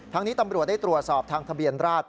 นี้ตำรวจได้ตรวจสอบทางทะเบียนราช